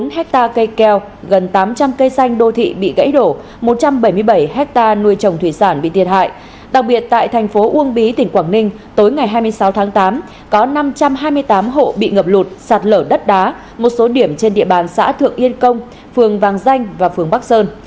bốn mươi hectare cây keo gần tám trăm linh cây xanh đô thị bị gãy đổ một trăm bảy mươi bảy hectare nuôi trồng thủy sản bị thiệt hại đặc biệt tại thành phố uông bí tỉnh quảng ninh tối ngày hai mươi sáu tháng tám có năm trăm hai mươi tám hộ bị ngập lụt sạt lở đất đá một số điểm trên địa bàn xã thượng yên công phường vàng danh và phường bắc sơn